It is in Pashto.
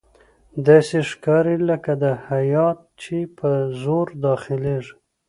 داسې ښکاري لکه دا هیات چې په زور داخليږي.